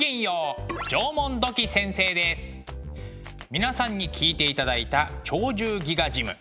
皆さんに聴いていただいた「鳥獣戯画ジム」。